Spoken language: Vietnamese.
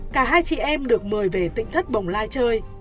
cả hai chị em được mời về tỉnh thất bồng lai chơi